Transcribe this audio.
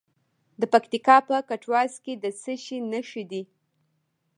د پکتیکا په کټواز کې د څه شي نښې دي؟